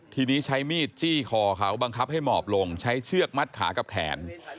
ทีนี้ใช้มีดจี้คอเขาบังคับให้หมอบลงใช้เชือกมัดขากับแขน